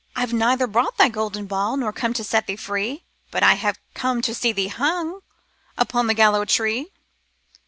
' IVe neither brought thy golden ball Nor come to set thee free. But I have come to see thee hung Upon this gallows tree.'